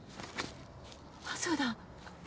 あっそうだ。